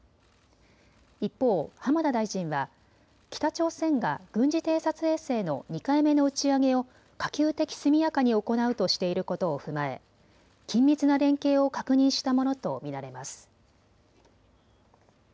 一方、浜田大臣は北朝鮮が軍事偵察衛星の２回目の打ち上げを可及的速やかに行うとしていることを踏まえ、緊密な連携を確認したものと見られます。